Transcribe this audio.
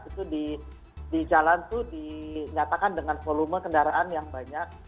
itu di jalan itu dinyatakan dengan volume kendaraan yang banyak